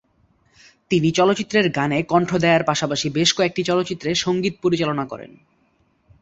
তিনি চলচ্চিত্রের গানে কন্ঠ দেওয়ার পাশাপাশি বেশ কয়েকটি চলচ্চিত্রে সঙ্গীত পরিচালনা করেন।